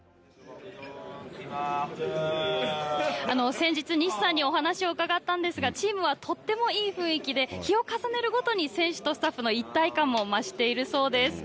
先日西さんにお話を伺ったんですが、チームはとってもいい雰囲気で、日を重ねるごとに選手とスタッフの一体感も増しているそうです。